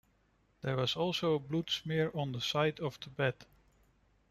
There was also a blood smear on the side of the bed.